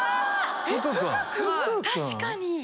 確かに。